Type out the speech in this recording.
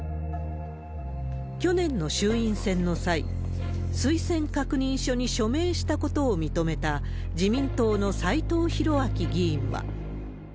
去年の衆院選の際、推薦確認書に署名したことを認めた、自民党の斎藤洋明議員は。